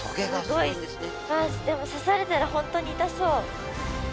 あっでも刺されたら本当に痛そう。